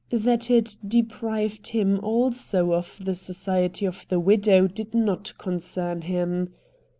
That it deprived him, also, of the society of the widow did not concern him.